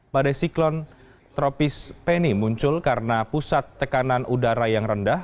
badai siklon tropis penny muncul karena pusat tekanan udara yang rendah